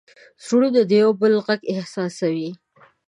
زړونه د یو بل غږ احساسوي.